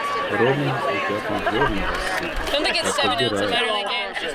Ровно утятам зерна рассыпь, как подбирают!